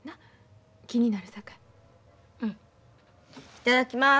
いただきます。